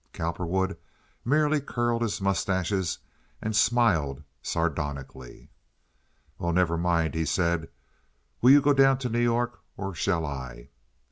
Cowperwood merely curled his mustaches and smiled sardonically. "Well, never mind," he said. "Will you go down to New York, or shall I?"